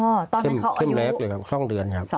ตอนมันเขาอายุเข้มแรกเลยครับ๒เดือนครับ